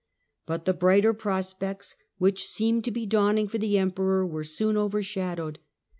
P)ut the brighter prospects which seemed to be dawning for the Emperor were soon overshadowed.